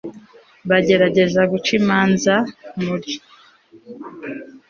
bagerageza guca imanza muri